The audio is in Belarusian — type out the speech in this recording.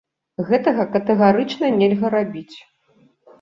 Гэтага катэгарычна нельга рабіць.